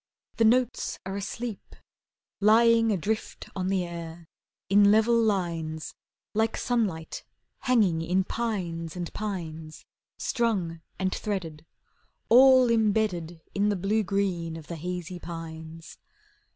The notes are asleep, Lying adrift on the air In level lines Like sunlight hanging in pines and pines, Strung and threaded, All imbedded In the blue green of the hazy pines.